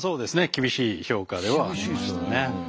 厳しい評価ではありましたね。